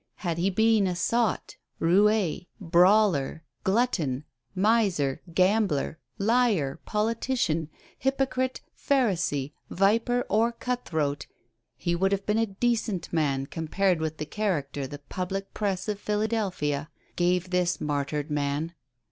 Had he been a sot, wMff, brawler, glutton, miser, gambler, liar, politician, hypocrite, pharisee, viper or cut throat, he would have been a decent man compared with the character the public press of Philadelphia gave this martyred man.